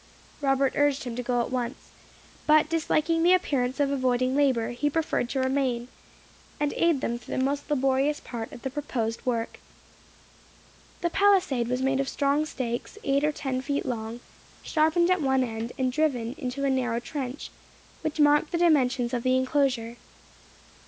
Robert urged him to go at once, but disliking the appearance of avoiding labour, he preferred to remain, and aid them through the most laborious part of the proposed work. The palisade was made of strong stakes, eight or ten feet long, sharpened at one end, and driven into a narrow trench, which marked the dimensions of the enclosure.